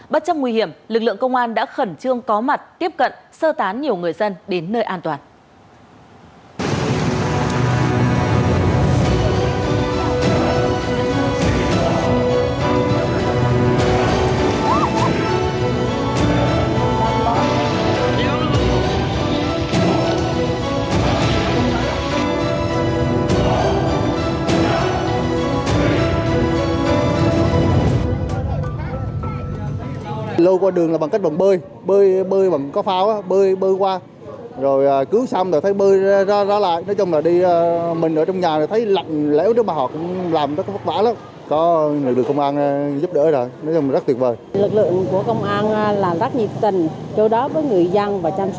bất chấp nguy hiểm lực lượng công an đã khẩn trương có mặt tiếp cận sơ tán nhiều người dân đến nơi an toàn